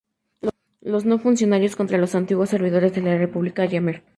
Los no funcionarios contra los antiguos servidores de la República Jemer.